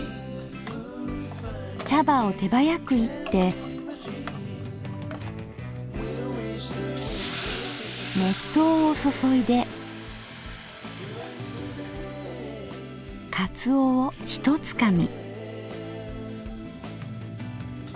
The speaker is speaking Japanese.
茶葉を手早く炒って熱湯を注いでかつおをひとつかみ。